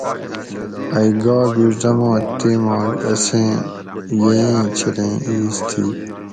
ائ گا بیڛدوں تیماک اسیں ییٔیں چھلیں ایس تھی